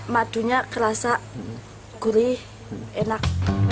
madunya kerasa gurih enak